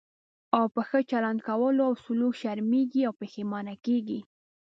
او په ښه چلند کولو او سلوک شرمېږي او پښېمانه کېږي.